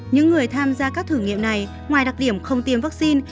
những người tham gia các thử nghiệm này ngoài đặc điểm không tiêm vaccine